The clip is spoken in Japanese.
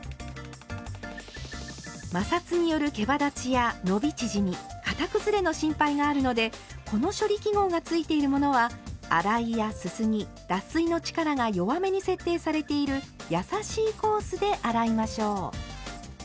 摩擦によるけばだちや伸び縮み型崩れの心配があるのでこの処理記号がついているものは洗いやすすぎ脱水の力が弱めに設定されているやさしいコースで洗いましょう。